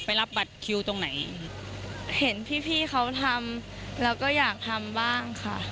ไปเข้าคิวตรงไหนไปรับบัตรคิวตรงไหน